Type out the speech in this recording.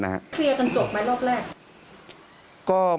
เคลียร์กันจบไหมรอบแรก